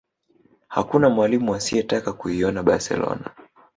hakuna mwalimu asiyetaka kuinoa barcelona